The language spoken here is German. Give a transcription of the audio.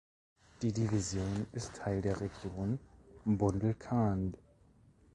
Die Division ist Teil der Region Bundelkhand.